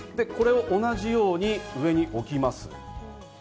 これを同じように上に置きます。